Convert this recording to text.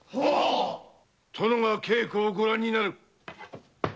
殿が稽古をご覧になる。